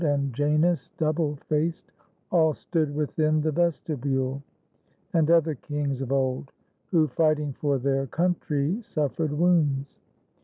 And Janus, double faced, — all stood within The vestibule ; and other kings of old. Who, fighting for their country, suffered wounds.